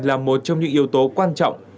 là một trong những yếu tố quan trọng